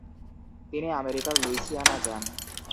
তিনি আমেরিকার লুইসিয়ানা যান ।